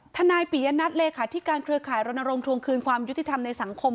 นายปียนัทเลขาธิการเครือข่ายรณรงค์ทวงคืนความยุติธรรมในสังคม